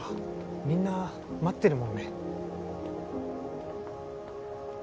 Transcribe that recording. みんな待ってるもんね。